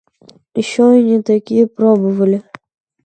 Еще и не такие пробовали.